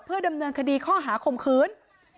เพื่อดำเนินคดีข้อหาขมขืน